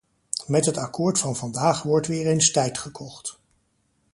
Met het akkoord van vandaag wordt weer eens tijd gekocht.